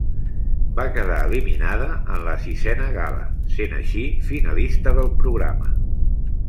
Va quedar eliminada en la sisena gala, sent així finalista del programa.